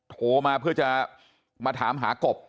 โทรมาเพื่อจะมาถามหากบ